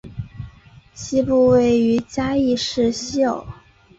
西区位于嘉义市西隅。